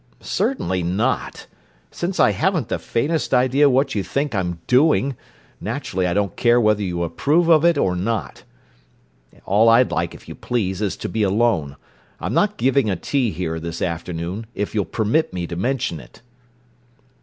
"Certainly not! Since I haven't the faintest idea what you think I'm 'doing,' naturally I don't care whether you approve of it or not. All I'd like, if you please, is to be alone. I'm not giving a tea here, this afternoon, if you'll permit me to mention it!"